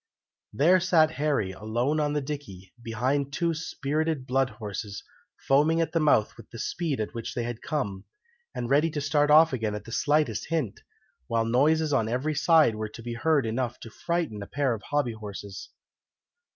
There sat Harry, alone on the dicky, behind two spirited blood horses, foaming at the mouth with the speed at which they had come, and ready to start off again at the slightest hint, while noises on every side were to be heard enough to frighten a pair of hobby horses.